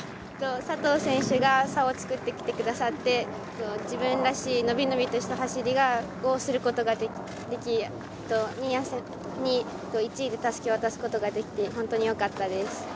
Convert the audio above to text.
佐藤選手が差をつくってきてくださって、自分らしい伸び伸びとした走りをすることができ新谷先輩に１位でたすきを渡すことができて、本当によかったです。